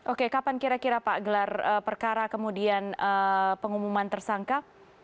oke kapan kira kira pak gelar perkara kemudian pengumuman tersangka